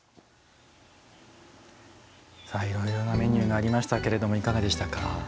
いろいろなメニューがありましたけれどもいかがでしたか？